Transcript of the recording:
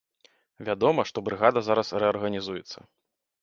Вядома, што брыгада зараз рэарганізуецца.